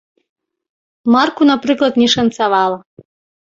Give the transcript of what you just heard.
Марку, напрыклад, не шанцавала.